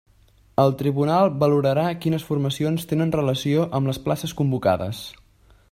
El tribunal valorarà quines formacions tenen relació amb les places convocades.